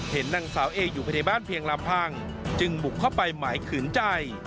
เห็นนางสาวเออยู่ภายในบ้านเพียงลำพังจึงบุกเข้าไปหมายขืนใจ